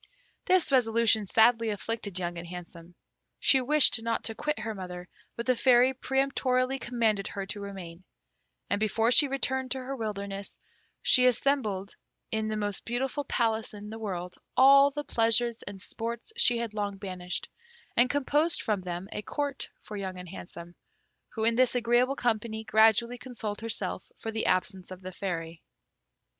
This resolution sadly afflicted Young and Handsome. She wished not to quit her mother; but the Fairy peremptorily commanded her to remain; and before she returned to her wilderness, she assembled in the most beautiful palace in the world all the pleasures and sports she had long banished, and composed from them a Court for Young and Handsome, who in this agreeable company gradually consoled herself for the absence of the Fairy.